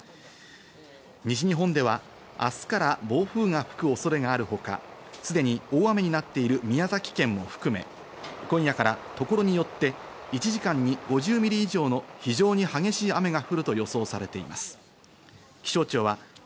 西日本では明日から暴風が吹く恐れがあるほか、すでに大雨になっている宮崎県も含め、今夜からところによって１時間に５０ミリ以上の非常に激しい雨が降ると予想されています。